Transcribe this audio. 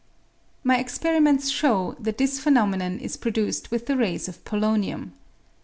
My experiments show that this phenomenon is produced with the rays of polonium.